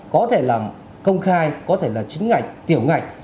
có thể là công khai có thể là chính ngạch tiểu ngạch